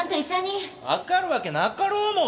わかるわけなかろうもん